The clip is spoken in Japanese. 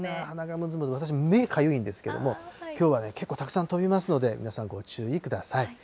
鼻がむずむず、私、目かゆいんですけども、きょうはね、結構たくさん飛びますので、皆さん、ご注意ください。